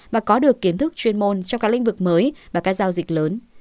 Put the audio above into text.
và có được kiến thức chuyên môn trong các lĩnh vực mới và các giao dịch lớn